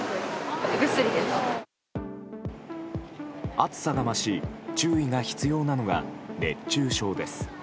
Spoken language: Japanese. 暑さが増し注意が必要なのが熱中症です。